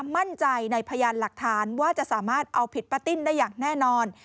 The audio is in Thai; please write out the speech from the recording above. มั่นใจในพยานหลักฐานว่าจะสามารถเอาผิดป้าติ้นได้อย่างแน่นอน